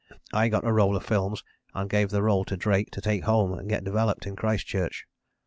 I got a roll of films and gave the roll to Drake to take home and get developed in Christchurch.